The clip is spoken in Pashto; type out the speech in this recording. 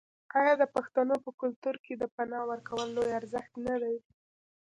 آیا د پښتنو په کلتور کې د پنا ورکول لوی ارزښت نه دی؟